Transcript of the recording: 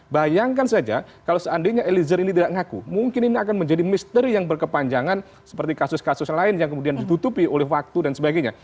bayangkan saja kalau seandainya eliezer ini tidak ngaku mungkin ini akan menjadi misteri yang berkepanjangan seperti kasus kasus lain yang kemudian ditutupi oleh waktu dan sebagainya